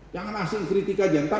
jangan asing kritika jantar